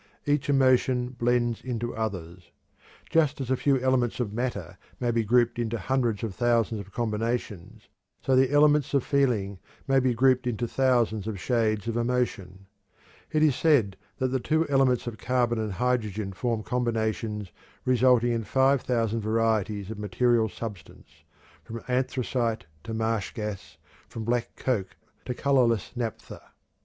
Each emotion blends into others. Just as a few elements of matter may be grouped into hundreds of thousands of combinations, so the elements of feeling may be grouped into thousands of shades of emotion. It is said that the two elements of carbon and hydrogen form combinations resulting in five thousand varieties of material substance, "from anthracite to marsh gas, from black coke to colorless naphtha."